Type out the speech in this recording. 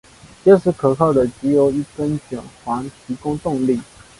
结实可靠的藉由一根卷簧提供动力。